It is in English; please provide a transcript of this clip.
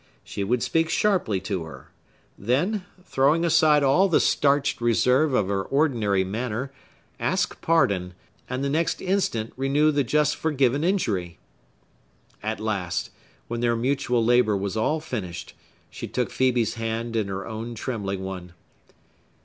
She would speak sharply to her; then, throwing aside all the starched reserve of her ordinary manner, ask pardon, and the next instant renew the just forgiven injury. At last, when their mutual labor was all finished, she took Phœbe's hand in her own trembling one.